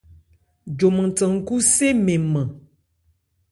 Joman than nkhú se mɛ́n nman.